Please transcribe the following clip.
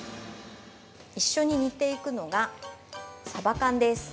◆一緒に煮ていくのがサバ缶です。